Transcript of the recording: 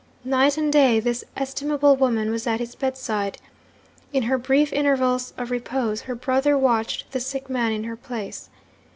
Night and day this estimable woman was at his bedside. In her brief intervals of repose, her brother watched the sick man in her place.